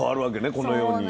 このように。